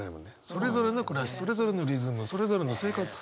それぞれの暮らしそれぞれのリズムそれぞれの生活。